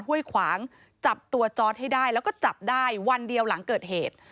ห้วยขวางจับตัวจอร์ดให้ได้แล้วก็จับได้วันเดียวหลังเกิดเหตุ